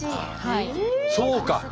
そうか。